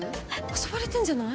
遊ばれてんじゃない？